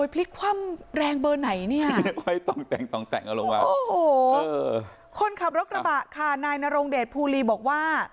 พลิกคว่ำแรงเบอร์ไหนเนี่ยไม่ต้องแต่งต้องแต่งเอาลงมาโอ้โหคนขับรถกระบะค่ะนายนรงเดชภูลีบอกว่า